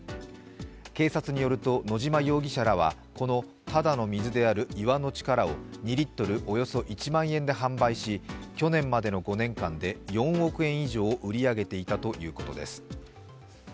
警察によると野島容疑者らはこのただの水である岩の力を２リットルおよそ１万円で販売し去年までの５年間で４億円以上を売り上げていたということです。